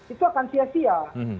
itu akan sia sia